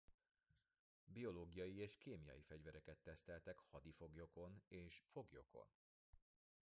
Biológiai és kémiai fegyvereket teszteltek hadifoglyokon és foglyokon.